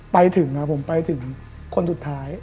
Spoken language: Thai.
ไปถึงผมไปถึงคนสุดท้าย